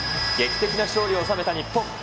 劇的な勝利を収めた日本。